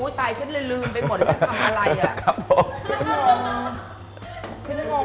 อุ้ยตายฉันเลยลืมไปหมดแล้วทำอะไรอ่ะครับผม